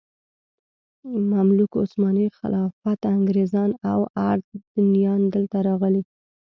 مملوک، عثماني خلافت، انګریزان او اردنیان دلته راغلي.